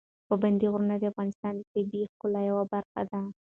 پابندي غرونه د افغانستان د طبیعي ښکلا یوه برخه ده.